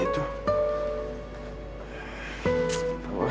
eh itu dia ayo kejar